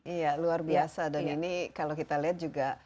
iya luar biasa dan ini kalau kita lihat juga